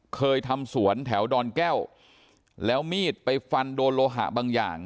เคยทำสวนแถวดอนแก้วแล้วมีดไปฟันโดนโลหะบางอย่าง